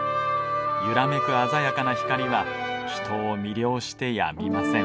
揺らめく鮮やかな光は人を魅了してやみません。